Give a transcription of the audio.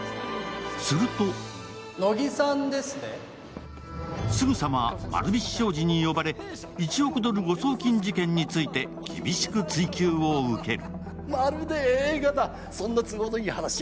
するとすぐさま丸菱商事に呼ばれ１億ドル誤送金事件について厳しく追及を受ける。